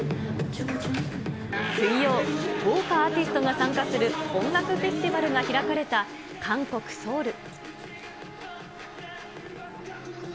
水曜、豪華アーティストが参加する音楽フェスティバルが開かれた韓国・ソウル。